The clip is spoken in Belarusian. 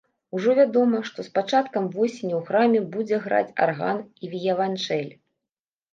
Ужо вядома, што з пачаткам восені ў храме будзе граць арган і віяланчэль.